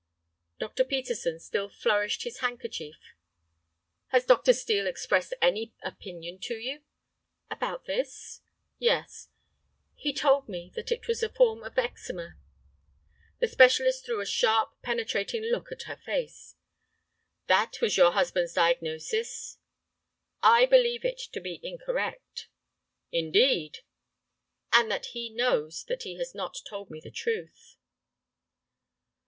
Dr. Peterson still flourished his handkerchief. "Has Dr. Steel expressed any opinion to you?" "About this?" "Yes." "He told me that it was a form of eczema." The specialist threw a sharp, penetrating look at her face. "That was your husband's diagnosis?" "I believe it to be incorrect." "Indeed!" "And that he knows that he has not told me the truth."